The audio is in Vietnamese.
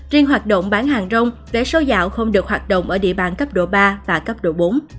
riêng hoạt động bán hàng rong vé số dạo không được hoạt động ở địa bàn cấp độ ba và cấp độ bốn